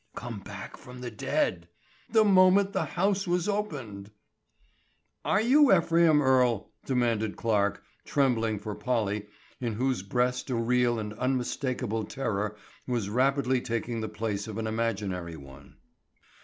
"Come back from the dead!" "The moment the house was opened!" "Are you Ephraim Earle?" demanded Clarke, trembling for Polly in whose breast a real and unmistakable terror was rapidly taking the place of an imaginary one.